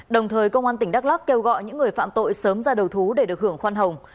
đồng thời công an tỉnh đắk lắc kêu gọi những người phạm tội sớm ra đầu thú để được hưởng khoan hồng